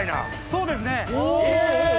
そうですね。